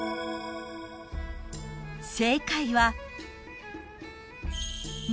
［正解は］